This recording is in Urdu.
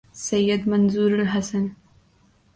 سید منظور الحسن